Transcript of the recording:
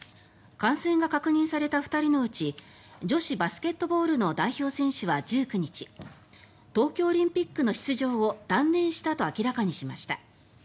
感染が確認された２人のうち女子バスケットボールの代表選手は１９日東京オリンピックの出場を断念したと明らかにしました。